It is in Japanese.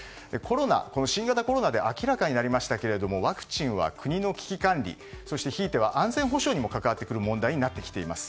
この新型コロナで明らかになりましたけれどもワクチンは国の危機管理そしてひいては安全保障にも関わってくる問題になってきています。